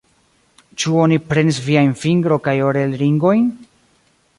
Ĉu oni prenis viajn fingro- kaj orel-ringojn?